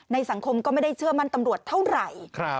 สังคมก็ไม่ได้เชื่อมั่นตำรวจเท่าไหร่